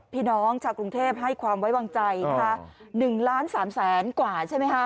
พี่น้องชาวกรุงเทพให้ความไว้วางใจนะคะ๑ล้าน๓แสนกว่าใช่ไหมคะ